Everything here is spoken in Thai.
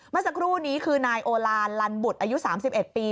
เมื่อสักครู่นี้คือนายโอลานลันบุตรอายุ๓๑ปี